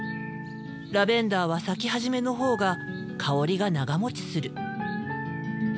ラベンダーは咲き始めのほうが香りが長もちする。